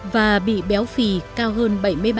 và bị béo phì cao hơn bảy mươi ba